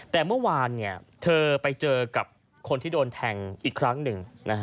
แต่เมื่อวานเธอไปเจอกับคนที่โดนแทงอีกครั้งหนึ่ง